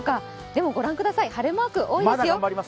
でも御覧ください、晴れマークが多いですよ。